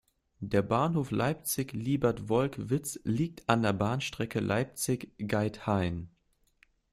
Der Bahnhof Leipzig-Liebertwolkwitz liegt an der Bahnstrecke Leipzig–Geithain.